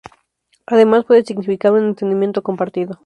Además puede significar un entendimiento compartido.